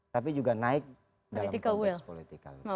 tapi juga naik dalam konteks politikal